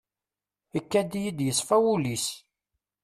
Ikad-iyi-d yeṣfa wul-is.